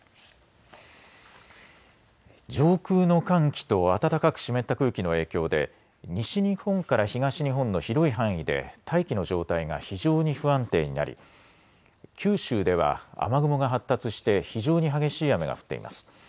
上空の寒気と暖かく湿った空気の影響で西日本から東日本の広い範囲で大気の状態が非常に不安定になり九州では雨雲が発達して非常に激しい雨が降っています。